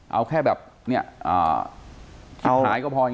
เอาแค่แบบผิดหายก็พอ